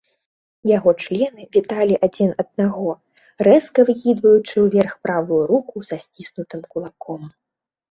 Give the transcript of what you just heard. Яго члены віталі адзін аднаго, рэзка выкідваючы ўверх правую руку са сціснутым кулаком.